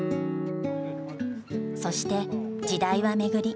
そして時代は巡り